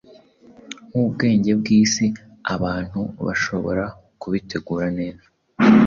Nkubwenge bwisi-abantu bashobora kubitegura neza